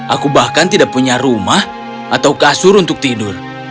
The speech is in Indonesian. aku bahkan tidak punya rumah atau kasur untuk tidur